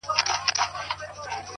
عجيب سړى يم له سهاره تر غرمې بيدار يم ـ